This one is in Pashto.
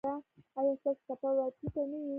ایا ستاسو تبه به ټیټه نه وي؟